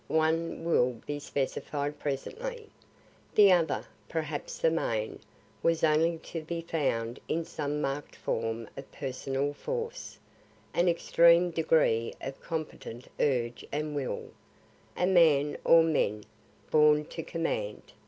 One will be specified presently. The other, perhaps the main, was only to be found in some mark'd form of personal force, an extreme degree of competent urge and will, a man or men "born to command."